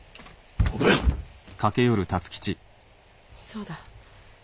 そうだ。